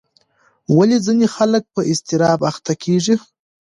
ولې ځینې خلک په اضطراب اخته کېږي؟